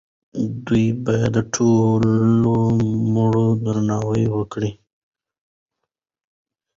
دوی باید د ټولو مړو درناوی وکړي.